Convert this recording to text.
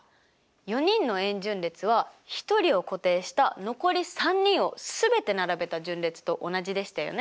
４人の円順列は１人を固定した残り３人を全て並べた順列と同じでしたよね？